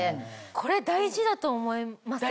これ大事だと思いません？